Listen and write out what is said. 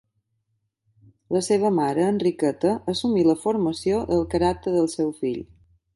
La seva mare, Enriqueta, assumí la formació del caràcter del seu fill.